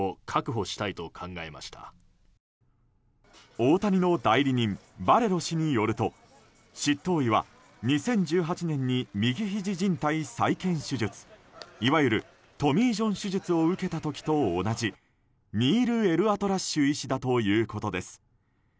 大谷の代理人バレロ氏によると執刀医は２０１８年に右ひじじん帯再建手術いわゆるトミー・ジョン手術を受けた時と同じニール・エルアトラッシュ医師だということです。